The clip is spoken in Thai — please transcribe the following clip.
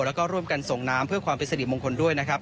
แล้วก็ร่วมกันส่งน้ำเพื่อความเป็นสิริมงคลด้วยนะครับ